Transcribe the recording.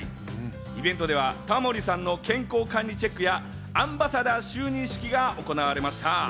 イベントではタモリさんの健康管理チェックや、アンバサダー就任式が行われました。